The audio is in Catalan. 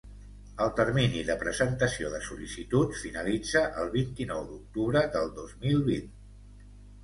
El termini de presentació de sol·licituds finalitza el vint-i-nou d'octubre del dos mil vint.